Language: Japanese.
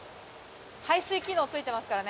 排水機能ついてますからね。